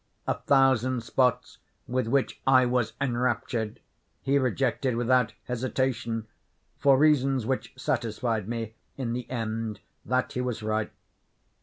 A thousand spots with which I was enraptured he rejected without hesitation, for reasons which satisfied me, in the end, that he was right.